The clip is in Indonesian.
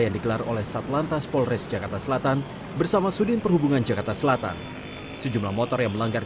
untuk teknisnya tentunya kalau kita jagain di depannya begini kita juga pasti tidak ada yang melanggar